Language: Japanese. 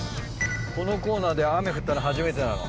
このコーナーで雨降ったの初めてなの。